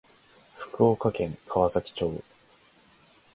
福岡県川崎町